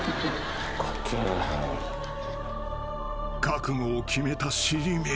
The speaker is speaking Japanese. ［覚悟を決めた尻目。